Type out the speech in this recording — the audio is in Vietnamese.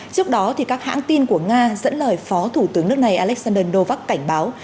trước đó các hãng tin của nga dẫn lời phó thủ tướng nước này alexander novak cảnh báo